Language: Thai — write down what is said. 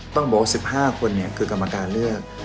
ต้องบอกว่าสิบห้าคนเนี่ยคือกรรมการเลือก